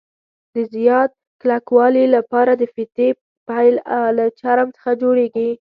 د زیات کلکوالي له پاره د فیتې پیل له چرم څخه جوړوي.